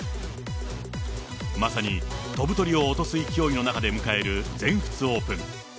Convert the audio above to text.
まさに飛ぶ鳥を落とす勢いの中で迎える全仏オープン。